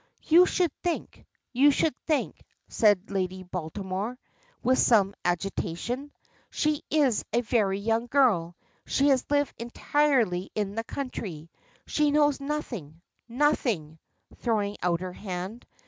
"You should think. You should think," says Lady Baltimore, with some agitation. "She is a very young girl. She has lived entirely in the country. She knows nothing nothing," throwing out her hand.